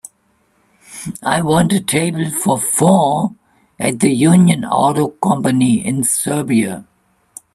I want a table for four at the Union Auto Company in Serbia